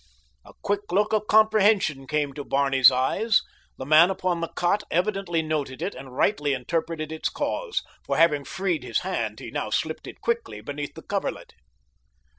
A quick look of comprehension came to Barney's eyes. The man upon the cot evidently noted it and rightly interpreted its cause, for, having freed his hand, he now slipped it quickly beneath the coverlet.